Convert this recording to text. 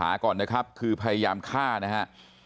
ก่อนนะครับคือพยายามฆ่านะฮะ